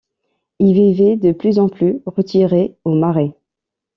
Il vivait, de plus en plus retiré, au Marais.